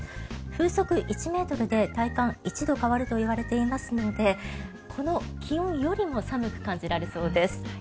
風速１ｍで体感１度変わるといわれていますのでこの気温よりも寒く感じられそうです。